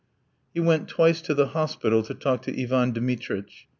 He went twice to the hospital to talk to Ivan Dmitritch.